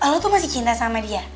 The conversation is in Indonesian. lo tuh masih cinta sama dia